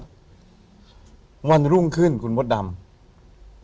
ถูกต้องไหมครับถูกต้องไหมครับ